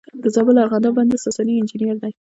د زابل ارغنداب بند د ساساني انجینر دی